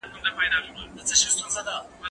لاس مينځه؟